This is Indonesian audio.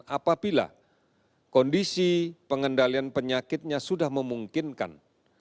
apabila kondisi pengendalian penyakitnya sudah memungkinkan